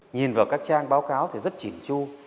nhìn vào các trang báo cáo thì rất chỉn chu